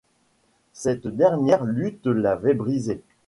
Cette dernière lutte l'avait brisé.